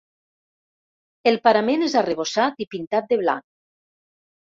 El parament és arrebossat i pintat de blanc.